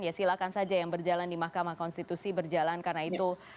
ya silahkan saja yang berjalan di mahkamah konstitusi berjalan karena itu